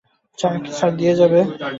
চা কি স্যার দিয়ে যাব?